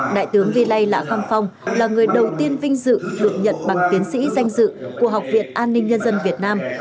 đại tướng vi lây lạ khăm phong là người đầu tiên vinh dự được nhận bằng tiến sĩ danh dự của học viện an ninh nhân dân việt nam